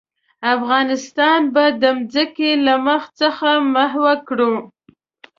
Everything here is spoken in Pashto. افغانستان به د ځمکې له مخ څخه محوه کړو.